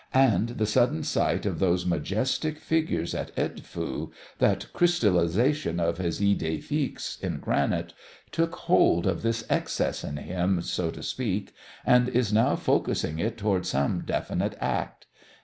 "And the sudden sight of those majestic figures at Edfu that crystallisation of his idée fixe in granite took hold of this excess in him, so to speak and is now focusing it toward some definite act.